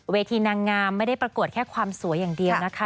นางงามไม่ได้ประกวดแค่ความสวยอย่างเดียวนะคะ